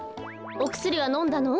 おくすりはのんだの？